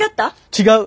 違う！